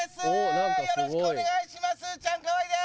よろしくお願いします。